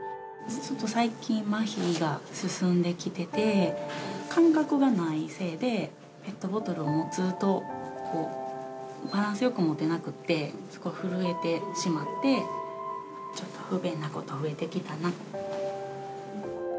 ちょっと最近、まひが進んできてて、感覚がないせいで、ペットボトルを持つと、バランスよく持てなくて、すごい震えてしまって、ちょっと不便なこと、増えてきたな。